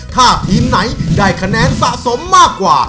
ถ้าทีมไหนได้คะแนนสะสมมากกว่า